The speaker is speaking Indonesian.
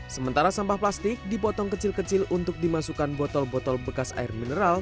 sementara sampah plastik dipotong kecil kecil untuk dimasukkan botol botol bekas air mineral